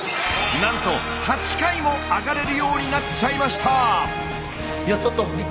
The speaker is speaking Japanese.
なんと８回も上がれるようになっちゃいました！